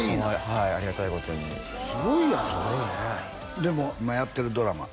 はいありがたいことにすごいやんそれすごいねでも今やってるドラマ